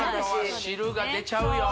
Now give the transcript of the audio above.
汁が出ちゃうよ